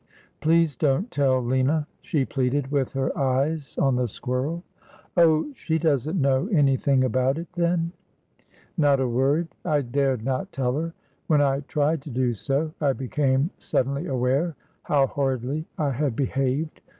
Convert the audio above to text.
Please don't tell Lina,' she pleaded, with her eyes on the squirrel. ' Oh, she doesn't know anything about it then ?'' Not a word. I dared not tell her. When I tried to do so, I became suddenly aware how horridly I had behaved.